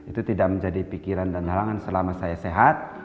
itu tidak menjadi pikiran dan halangan selama saya sehat